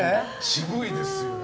渋いですよね。